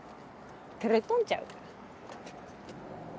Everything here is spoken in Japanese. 照れとんちゃう？